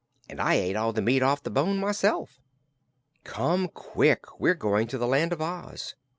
And I ate all the meat off the bone myself." "Come quick. We're going to the Land of Oz."